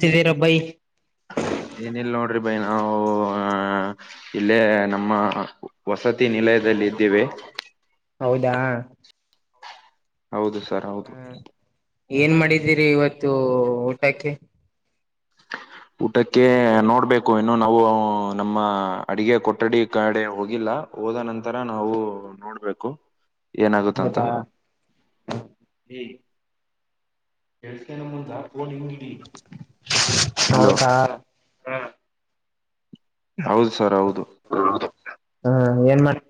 ತಿಳಿರ by. [unintelligible] ಏನಲ್ ನೋಡ್ರಿ ಬೈ ನಾವು ಅ [unintelligible] ಇಲ್ಲೇ ನಮ್ಮ ವಸತಿ ನಿಲಯದಲ್ಲಿ ಇದ್ದೇೆವೆ. [unintelligible] ಹೌದಾ? [unintelligible] ಹೌದು ಸರ್ ಹೌ [unintelligible] ಹೂ ಏನ್ ಮಾಡಿದ್ದೀರಿ ಇವತ್ತು ಊಟಕ್ಕೆ. [unintelligible] ಊಟಕ್ಕೆ ನೋಡಬೇಕು. [unintelligible] ಕು ಇನ್ನು ನಾವು ನಮ್ಮ ಅಡಿಗೆ ಕೊಠಡಿ ಕಡೆ ಹೋಗಿಲ್ಲ ಹೋದ ನಂತರ ನಾವು [unintelligible] ನೋಡಬೇಕು ಏನ್ ಆಗುತ್ತಂತ. ಹೌದಾ ಈಗ. [unintelligible] ಹೆಡ್ ಸ್ಕ್ಯಾನ್ ಮುಂದ ಫೋನ್ ಹಿಂಗಿಡಿ. [unintelligible] ಹೌದಾ? [unintelligible] ಹೌದು ಸರ್ ಹೌದು. [unintelligible] ಹ ಏನ್ ಮಾಡ [unintelligible]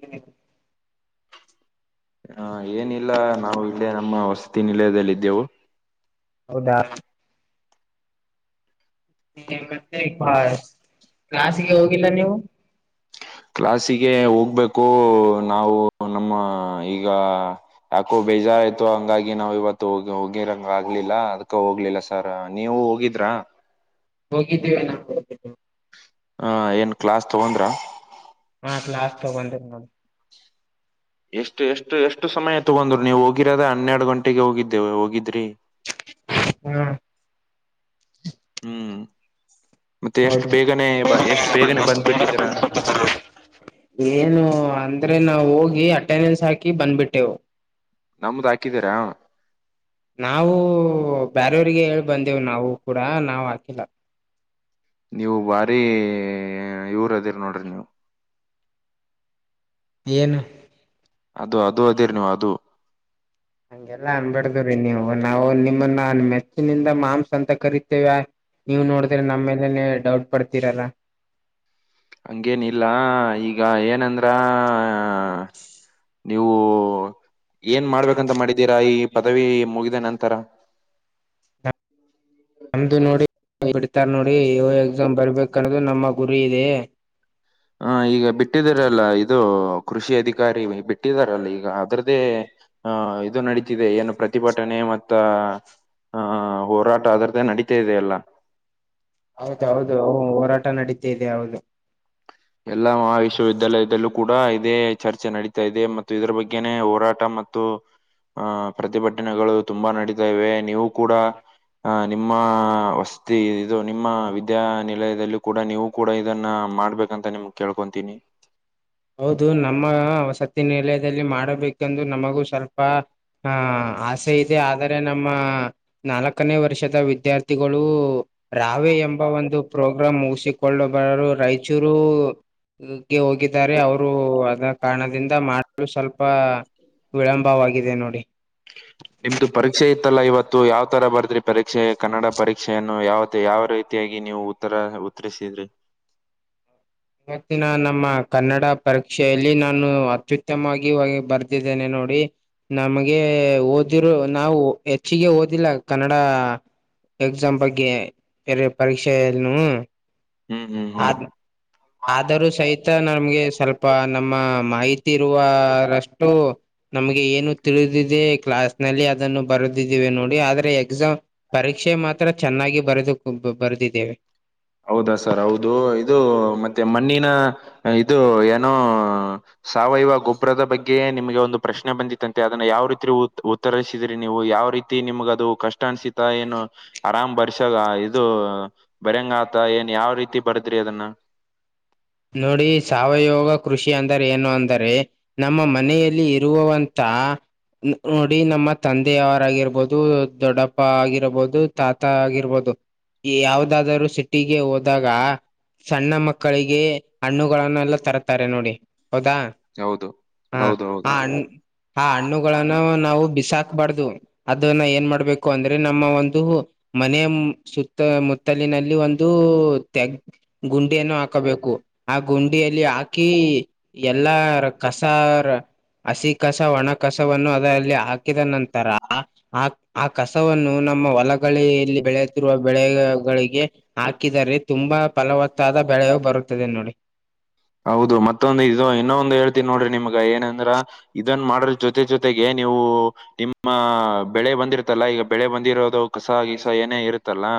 ಹ ಏನಿಲ್ಲ ನಾವು ಇಲ್ಲೇ ನಮ್ಮ ವಸತಿ ನಿಲಯದಲ್ಲಿ ಇದಿದ್ದೆವು. [unintelligible] ಹೌದಾ? [unintelligible] ಹನ್ನೆರಡ ಗಂಟೆಗ ಪಾ ಕ್ಲಾಸಗೆ ಹೋಗಿಲ್ಲ ನೀವು? [unintelligible] ಕ್ಲಾಸಿಗೆ ಹೋಗಬೇಕು ನಾವು ನಮ್ಮ ಈಗ [unintelligible] ಯಾಕೋ ಬೇಜಾರಾಯ್ತು ಹಂಗ ಆಗಿ [unintelligible] ಹಂಗೆ ನಾವು ಇವತ್ತು ಹೋಗೆ ಹೋಗಿರಂಗ ಆಗ್ಲಿಲ್ಲ ಅದಕ ಹೋಗ್ಲಿಲ್ಲ ಸರ್ ನೀವು ಹೋಗಿದ್ರಾ? [unintelligible] ಹೋಗಿದ್ದೇವೆ ನಾವು. [unintelligible] ಹ ಏನ್ ಕ್ಲಾಸ್ ತಗೊಂಡ್ರ ಹಾ ಕ್ಲಾಸ್ ತಗೊಂದಿ ನಾನು ಎಷ್ಟು ಎಷ್ಟು ಎಷ್ಟು ಸಮಯ ತಗೊಂಡ್ರು ನೀವು ಹೋಗಿರೋದೆ ಹನ್ನೆರಡು ಗಂಟೆಗೆ ಹೋಗಿದ್ದೇವು ಹೋಗಿದ್ರಿ ಹಾ ಹ್ಮ್ ಮತ್ತೆ ಎಷ್ಟು ಆಯ್ತು ಬೇಗನೆ ಬ ಎಷ್ಟು ಬೇಗನೆ ಬಂದ್ಬಿಟ್ಟಿದ್ದೀರಾ ಏನು ಅಂದ್ರೆ ನಾವು ಹೋಗಿ ಅಟೆಂಡೆನ್ಸ್ ಹಾಕಿ ಬಂದ್ಬಿಟ್ಟೆವು. ನಮ್ದ್ ಹಾಕಿದ್ದೀರಾ ನಾವು ಬೇರವ್ರಿಗೆ ಹೇಳಿ ಬಂದೇವು ನಾವು ಕೂಡ ನಾವ್ ಹಾಕಿಲ್ಲ ನೀವು ಬಾರಿ ಇವರ ಅದಿರ ನೋಡ್ರಿ ನೀವು ಏನು ಅದು ಅದು ಅದೇರಿ ನೀವು್ ಅದು ಹಂಗೆಲ್ಲಾ ಅನ್ನಬಾಡ್ ರಿ ನೀವು ನಾವು ನಿಮ್ಮನ್ನ ಮೆಚ್ಚಿನಿಂದ ಮಾಂಸ್ ಅಂತ ಕರಿತೇವಿ ನೀವ್ ನೋಡಿದ್ರೆ ನಮ್ ಮೇಲೆನೆ ಡೌಟ್ ಪಡ್ತೀರಲ್ಲ ಹಂಗೇನಿಲ್ಲ ಈಗ ಏನಂದ್ರ ಹಾ ನೀವು ಏನ್ ಮಾಡ್ಬೇಕಂತ ಮಾಡಿದ್ದೀರಾ ಈ ಪದವಿ ಮುಗಿದ ನಂತರ ನಮ್ದು ನೋಡಿ ಬಿಡ್ತಾರ ನೋಡಿ ಇ ಎಕ್ಸಾಮ್ ಬರ್ಬೇಕ [unintelligible] ನ್ನೋದು ನಮ್ಮ ಗುರಿ ಇದೆ. ಹ ಈಗ ಬಿಟ್ಟಿದಾರಲ್ಲ ಇದು ಕೃಷಿ ಅಧಿಕಾರಿ ಬಿಟ್ಟಿದಾರಲ್ಲ ಈಗ ಅದ್ರದ್ದೇ ಹ ಇದು ನಡೀತಿದೆ ಏನು ಪ್ರತಿಭಟನೆ ಮತ್ತ ಹಾ ಹೋರಾಟ ಅದ್ರದ್ದೆ ನಡೀತ ಇದೆ ಎಲ್ಲಾ ಹೌದ ಹೌದು ಹ ಹೋರಾಟ ನಡೀತಿದೆ ಹೌದು ಎಲ್ಲಾ ಮಹಾವಿಶ್ವವಿದ್ಯಾಲಯದಲ್ಲೂ ಕೂಡ ಇದೇ ಚರ್ಚೆ ನಡೀತಾ ಇದೆ. ಮತ್ತು ಇದರ ಬಗ್ಗೆನೆ ಹೋರಾಟ ಮತ್ತು ಹ ಪ್ರತಿಭಟನೆಗಳು ತುಂಬಾ ನಡೀತಾ ಇವೆ. ನೀವು ಕೂಡ ಅ ನಿಮ್ಮಸ್ ಇದು ನಿಮ್ಮ ವಿದ್ಯಾನಿಲಯದಲ್ಲಿ ಕೂಡ ನೀವು ಕೂಡ ಇದನ್ನ ಮಾಡ್ಬೇಕ್. ಅಂತ ನಿಮ್ ಕೇಳ್ಕೊಂತೀನಿ ಹೌದು ನಮ್ಮ ವಸತಿ ನಿಲಯದಲ್ಲಿ ಮಾಡಬೇಕೆಂದು ನಮಗೂ ಸ್ವಲ್ಪ ಆ ಆಸೆ ಇದೆ ಆದರೆ ನಮ್ಮ ನಾಲ್ಕನೇ ವರ್ಷದ ವಿದ್ಯಾರ್ಥಿಗಳು ರಾವೆ ಎಂಬ ಒಂದು ಪ್ರೋಗ್ರಾಮ್ ಮುಗಿಸಿಕೊಳ್ಳು ಬರರು ರಾಯಚೂರು ನುಗ್ಗೆ ಹೋಗಿ ಅವರು ಅದ ಕಾರಣದಿಂದ ಮಾಡಲು ಸ್ವಲ್ಪ ವಿಳಂಬವಾಗಿದೆ ನೋಡಿ. ನಿಮ್ದು ಪರೀಕ್ಷೆ ಇತ್ತಲ್ಲ ಇವತ್ತು ಯಾವ್ ತರ ಬರ್ದ್ರಿ ಪರೀಕ್ಷೆ ಕನ್ನಡ ಪರೀಕ್ಷೆಯ ಏನ್ನು ಯಾವ್ ಮತ್ತೆ ಯಾವ ರೀತಿಯಾಗಿ ನೀವು ಉತ್ತರ ಉತ್ತರಿಸಿದ್ರಿ ಇವತ್ತಿನ ನಮ್ಮ ಕನ್ನಡ ಪರೀಕ್ಷೆಯಲ್ಲಿ ನಾನು ಅತ್ಯುತ್ತಮವಾಗಿ ಬರ್ದಿದ್ದೇನೆ ನೋಡಿ ನಮಗೆ ಓದಿರು ನಾವು ಹೆಚ್ಚಿಗೆ ಓದಿಲ್ಲ ಕನ್ನಡ ಎಕ್ಸಾಮ್ ಬಗ್ಗೆ ಬೇರೆ ಪರೀಕ್ಷೆ ಯನ್ನು ಹ್ಮ್ ಹ್ಮ್ ಹ್ಮ್ [unintelligible] ಆದರೂ ಸಹಿತ ನಮ್ಗೆ ಸ್ವಲ್ಪ ನಮ್ಮ ಮಾಹಿತಿ ಇರುವ ರಷ್ಟು. ನಮಗೆ ಏನು ತಿಳಿದಿದೆ ಕ್ಲಾಸ್ ನಲ್ಲಿ ಅದನ್ನು ಬರುದಿದ್ದೀವೆ ನೋಡಿ ಆದ್ರೆ ಎಕ್ಸಾಮ್ ಪರೀಕ್ಷೆ ಮಾತ್ರ ಚೆನ್ನಾಗಿ ಬರೆದು ಕುಂತು ಬರೆದಿದ್ದೇವೆ ಹೌದಾ ಸರ್ ಹೌದು ಇದು ಮತ್ತೆ ಮಣ್ಣಿನ ಇದು ಏನೋ ಸಾವಯವ ಗೊಬ್ಬರದ ಬಗ್ಗೆ ನಿಮಗೆ ಒಂದು ಪ್ರಶ್ನೆ ಬಂದಿತ್ತಂತೆ ಅದನ್ನ ಯಾವ ರೀತಿ ಉತ್ ಉತ್ ತರಿಸಿದ್ರಿ ನೀವು ಯಾವ ರೀತಿ ನಿಮ್ಗ ಅದು ಕಷ್ಟ ಅನ್ಸಿತಾ ಏನು ಆರಾಮ್ ಬರ್ಸ್ ಆ ಇದು ಬರ್ಯಂಗ ಆತ ಏನ್ ಯಾವ್ ರೀತಿ ಬರ್ದ್ರಿ ಅದನ್ನ ನೋಡಿ ಸಾವಯವ ಕೃಷಿ ಅಂದರೆ ಏನು ಅಂದರೆ ನಮ್ಮ ಮನೆಯಲ್ಲಿ ಇರುವವಂತ ನೋಡಿ ನಮ್ಮ ತಂದೆಯವರಗಿರ್ಬೋದು ದೊಡ್ಡಪ್ಪ ಆಗಿರ್ಬೋದು ತಾತ ಆಗಿರ್ಬೋದು ಯಾವದಾದರೂ ಸಿಟಿಗೆ ಹೋದಾಗ. ಸಣ್ಣ ಮಕ್ಕಳಿಗೆ. [unintelligible] ಹಣ್ಣುಗಳನ್ನೆಲ್ಲ ತರತ್ತಾರೆ ನೋಡಿ ಹೌದಾ? [unintelligible] ಹೌದು ಹ ಹೌದು ಹೌದು ಆ ಹಣ್ಣ ಆ ಹಣ್ಣುಗಳನ್ನು ನಾವು ಬಿಸಾಕ ಬಾರದು. [unintelligible] ಅದನ್ನ ಏನ್ ಮಾಡಬೇಕು ಅಂದ್ರೆ ನಮ್ಮ ಒಂದು ಮನೆಯ ಸು [unintelligible] ಸುತ್ತ ಮುತ್ತಲಿನಲ್ಲಿ ಒಂದು ತೆಗ್ ಗುಂಡಿಯನ್ನು ಹಾಕಬೇಕು. [unintelligible] ಆ ಗುಂಡಿಯಲ್ಲಿ ಹಾಕಿ ಎಲ್ಲರ ಕಸಾ ಅರ. [unintelligible] ಹಸಿ ಕಸ ಒಣ ಕಸವನ್ನು ಅದರಲ್ಲಿ ಹಾಕಿದ ನಂತರ ಆ [unintelligible] ಆ ಕಸವನ್ನು ನಮ್ಮ ಹೊಲಗಳೆ ಎಲ್ಲಿ ಬೆಳೆಯುತ್ತಿರುವ ಬೆಳೆಗಳಿಗೆ. [unintelligible] ಹಾಕಿದರೆ ತುಂಬಾ ಫಲವತ್ತಾದ ಬೆಳೆಯು ಬರುತ್ತದೆ ನೋಡಿ. [unintelligible] ಹೌದು ಮತ್ತೊಂದು ಇದು ಇನ್ನೊಂದು ಹೇಳ್ತೀನಿ ನೋಡ್ರಿ ನಿಮಗ ಏನಂದ್ರ. [unintelligible] ಇದನ್ನ ಮಾಡಿದರ ಜೊತೆ ಜೊತೆಗೆ ನೀವು ನಿಮ್ಮ ಬೆಳೆ ಬಂದಿರತಲ್ಲ ಈಗ ಬೆಳೆ ಬಂದಿರೋದು [unintelligible] ಕಸಾ ಗೀಸ ಏನೇ ಇರುತ್ತ ಅಲ್ಲಾ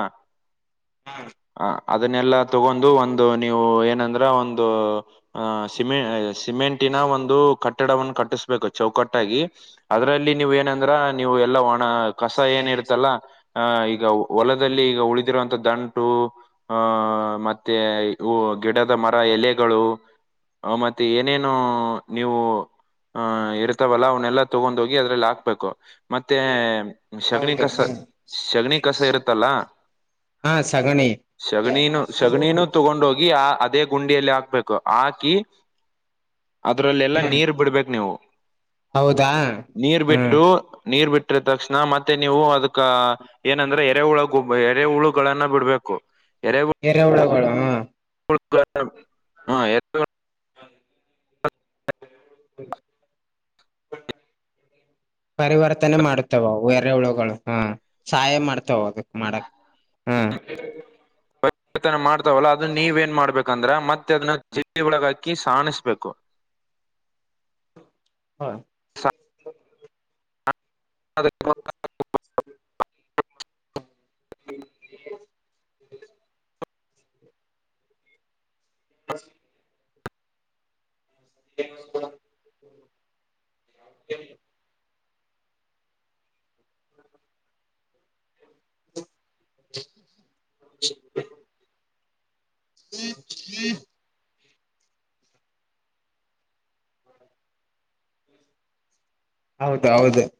ಆ ಅದನ್ನೆಲ್ಲಾ [unintelligible] ಗೊಂದು ಒಂದು ನೀವು ಏನಂದ್ರ ಒಂದು. [unintelligible] ಆ ಸಿಮೆ ಸಿಮೆಂಟಿನ ಒಂದು ಕಟ್ಟಡವನ್ನು ಕಟ್ಟಿಸಬೇಕು. [unintelligible] ಚೌಕಟ್ಟಾಗಿ ಅದ್ರಲ್ಲಿ ನೀವ ಏನಂದ್ರ ನೀವು ಎಲ್ಲ ಒಣ ಕಸ ಏನ ಇರ್ತಲ್ಲ. [unintelligible] ಹಾ ಈಗ ಹೊಲದಲ್ಲಿ ಈಗ ಉಳಿದಿರುವಂತ ದಂಟು ಹಾ [unintelligible] ಮತ್ತೆ ಹೂ ಗಿಡದ ಮರ ಎಲೆಗಳು. [unintelligible] ಅವ ಮತ್ತೆ ಏನೇನು ನೀವು. [unintelligible] ಹಾ ಇರ್ತವಲ್ಲ ಅವ್ನ ಎಲ್ಲಾ ತೊಗೊಂಡ್ ಹೋಗಿ ಅದ್ರಲ್ಲಿ ಹಾಕಬೇಕು. [unintelligible] ಮತ್ತೆ ಶಗಣಿ ಹೌದು ಕಸ ಶಗಣಿ ಕಸ ಇರುತ್ತಲ್ಲ. [unintelligible] ಹಾ ಸಗಣಿ ಶಗಣಿನು. [unintelligible] ಶಗಣಿನೂ ತಗೊಂಡ ಹೋಗಿ ಆ ಅದೇ ಗುಂಡಿಯಲ್ಲಿ ಹಾಕಬೇಕು ಹಾಕಿ. [unintelligible] ಅದ್ರಲ್ಲೆಲ್ಲಾ ನೀರ್ ಬಿಡಬೇಕು ನೀವು ಹೌದಾ ನೀರ್ ಹ್ಮ್ ಬಿಟ್ಟು. [unintelligible] ನೀರ್ ಬಿಟ್ರ ತಕ್ಷಣ ಮತ್ತೆ ನೀವು ಅದಕ್ಕ. [unintelligible] ಏನಂದ್ರೆ ಎರೆ ಹುಳ ಗುಬ್ಬ ಎರೆ ಹುಳುಗಳನ್ನ ಬಿಡಬೇಕು ಎರೆ ಹು [unintelligible] ಎರೆ ಹುಳುಗಳು. [unintelligible] ಕುತ್ತಕ್ಕ. [unintelligible] ಹಾ ಎತ್ತು. [unintelligible] [inaudible] [unintelligible] ಪರಿವರ್ತನೆ ಮಾಡತಾವವು ಎರೆ ಹುಳುಗಳು ಹ ಸಹಾಯ ಮಾಡ್ತಾವ ಅದಕ್ಕ ಮಾಡಕ್. [unintelligible] ಹ. [unintelligible] ತನ ಮಾಡ್ತಾವಲ್ಲ ಅದನ್ನ ನೀವ ಏನ್ ಮಾಡ್ಬೇಕಂದ್ರ ಮತ್ತೆ ಅದನ್ನ ಜರಡಿವಳಗ ಹಾಕಿ ಸಾಣಿಸ್ಬೇಕು. [unintelligible] ಹಾ. [unintelligible] ಅದೇ [inaudible] [unintelligible] [inaudible] [inaudible] [inaudible] [inaudible] [unintelligible] ಹೌದ ಹೌದ. [unintelligible]